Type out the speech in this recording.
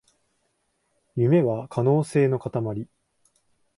夢は可能性のかたまり